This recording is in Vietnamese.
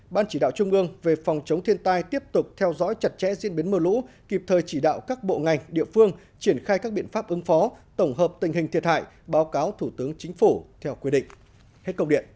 ban chỉ đạo trung ương về phòng chống thiên tai tiếp tục theo dõi chặt chẽ diễn biến mưa lũ kịp thời chỉ đạo các bộ ngành địa phương triển khai các biện pháp ứng phó tổng hợp tình hình thiệt hại báo cáo thủ tướng chính phủ theo quy định